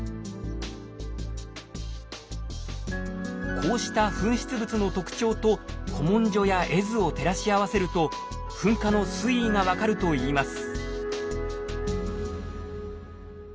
こうした噴出物の特徴と古文書や絵図を照らし合わせると噴火の推移が分かるといいます。